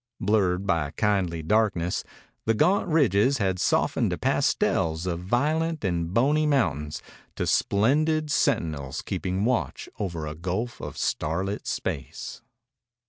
Blurred by kindly darkness, the gaunt ridges had softened to pastels of violet and bony mountains to splendid sentinels keeping watch over a gulf of starlit space.